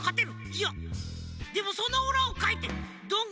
いやでもそのうらをかいてどん